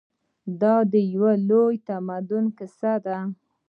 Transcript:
دا د یو لوی تمدن کیسه ده.